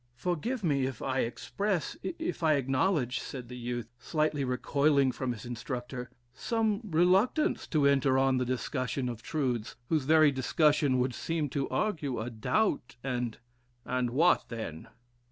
"Forgive me if I express if I acknowledge," said the youth, slightly recoiling from his instructor, "some reluctance to enter on the discussion of truths, whose very discussion would seem to argue a doubt, and" "And what then!"